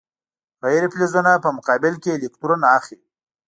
غیر فلزونه په مقابل کې الکترون اخلي.